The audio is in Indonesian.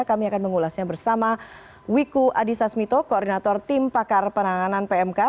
kami akan mengulasnya bersama wiku adhisa smito koordinator tim pakar penanganan pmk